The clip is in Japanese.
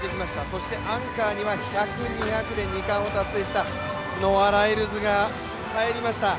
そしてアンカーには１００、２００で２冠を達成したノア・ライルズが入りました。